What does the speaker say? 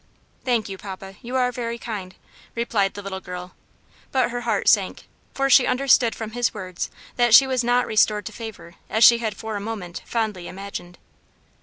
"Thank you, papa, you are very kind," replied the little girl; but her heart sank, for she understood from his words that she was not restored to favor as she had for a moment fondly imagined.